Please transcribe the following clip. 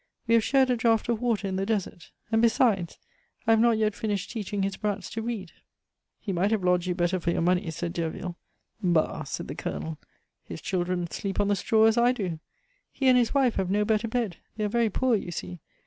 We have shared a draught of water in the desert; and besides, I have not yet finished teaching his brats to read." "He might have lodged you better for your money," said Derville. "Bah!" said the Colonel, "his children sleep on the straw as I do. He and his wife have no better bed; they are very poor you see.